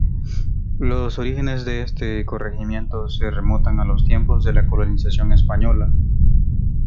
Los orígenes de este corregimiento se remontan a los tiempos de la colonización española.